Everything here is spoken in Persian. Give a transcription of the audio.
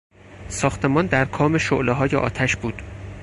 ساختمان در کام شعلههای آتش بود.